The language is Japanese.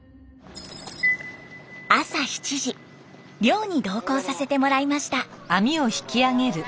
朝７時漁に同行させてもらいました。